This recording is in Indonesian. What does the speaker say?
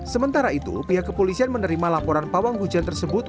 sementara itu pihak kepolisian menerima laporan pawang hujan tersebut